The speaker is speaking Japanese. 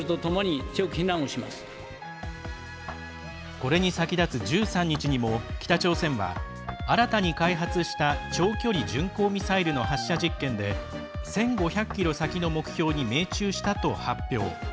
これに先立つ１３日にも北朝鮮は新たに開発した長距離巡航ミサイルの発射実験で１５００ｋｍ先の目標に命中したと発表。